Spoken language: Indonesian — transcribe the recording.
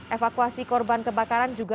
evakuasi korban kebakaran